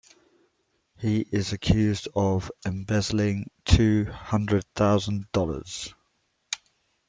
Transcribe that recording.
He is accused of embezzling two hundred thousand dollars.